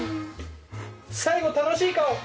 最後楽しい顔！